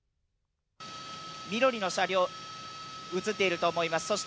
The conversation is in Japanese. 緑の車両映っていると思います